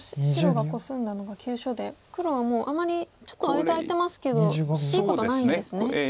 白がコスんだのが急所で黒はもうあまりちょっと間空いてますけどいいことないんですね。